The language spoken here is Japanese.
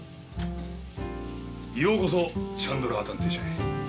ようこそチャンドラー探偵社へ。